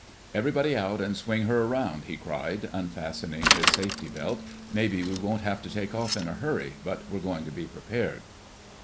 "Everybody out and swing her around!" he cried, unfastening his safety belt. "Maybe we won't have to take off in a hurry, but we're going to be prepared."